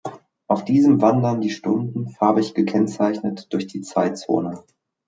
Auf diesem wandern die Stunden, farbig gekennzeichnet, durch die Zeitzonen.